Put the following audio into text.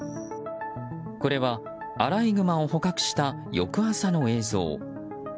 これは、アライグマを捕獲した翌朝の映像。